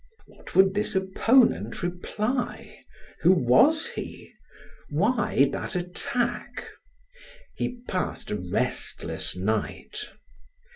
What would this opponent reply? Who was he? Why that attack? He passed a restless night.